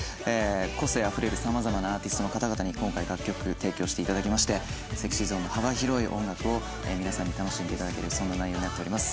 個性あふれる様々なアーティストの方々に今回楽曲提供して頂きましてＳｅｘｙＺｏｎｅの幅広い音楽を皆さんに楽しんで頂けるそんな内容になっております。